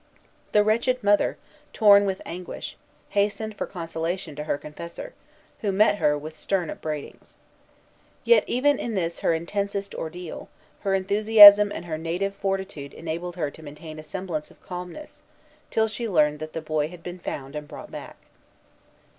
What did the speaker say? The wretched mother, torn with anguish, hastened for consolation to her confessor, who met her with stern upbraidings. Yet, even in this her intensest ordeal, her enthusiasm and her native fortitude enabled her to maintain a semblance of calmness, till she learned that the boy had been found and brought back.